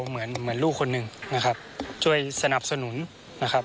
เหมือนเหมือนลูกคนหนึ่งนะครับช่วยสนับสนุนนะครับ